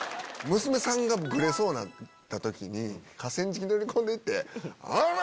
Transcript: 娘さんがグレそうになった時に河川敷乗り込んで行って「おらぁ‼」